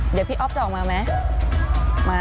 เดี๋ยวพี่อ๊อฟจะออกมาไหม